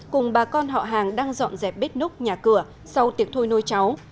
cùng bà con họ hàng đang dọn dẹp bếp núc nhà cửa sau tiệc thôi nuôi cháu